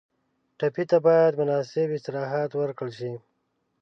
ټپي ته باید مناسب استراحت ورکړل شي.